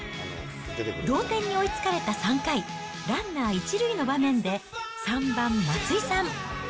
同点に追いつかれた３回、ランナー１塁の場面で３番松井さん。